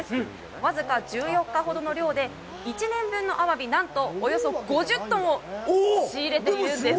僅か１４日ほどの漁で１年分のアワビ、何とおよそ５０トンを仕入れているんです。